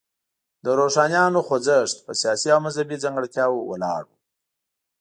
د روښانیانو خوځښت په سیاسي او مذهبي ځانګړتیاوو ولاړ و.